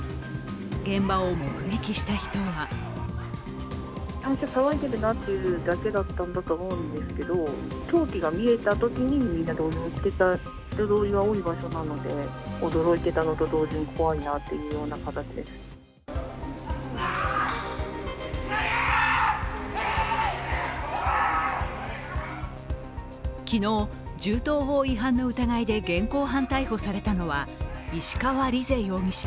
現場を目撃した人は昨日、銃刀法違反の疑いで現行犯逮捕されたのは石川莉世容疑者